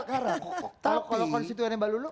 kalau konstituennya mbak lulu